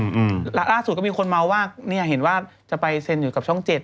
อืมแล้วล่าสุดก็มีคนเมาว่าเนี้ยเห็นว่าจะไปเซ็นอยู่กับช่องเจ็ด